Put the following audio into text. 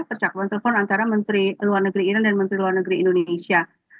percakapan telepon antara menteri luar negeri iran dan menteri luar negeri indonesia